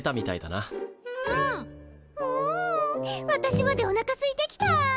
私までおなかすいてきた！